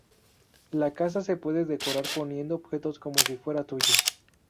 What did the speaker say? La casa se puede decorar poniendo objetos como si fuera tuya.